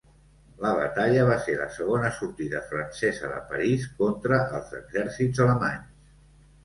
La batalla va ser la segona sortida francesa de París contra els exèrcits alemanys.